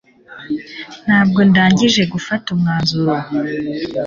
ntabwo ndangije gufata umwanzuro